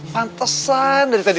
pantesan dari tadi